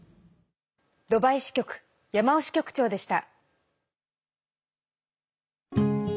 ドバイ支局山尾支局長でした。